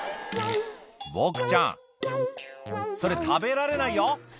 ボクちゃんそれ食べられないよ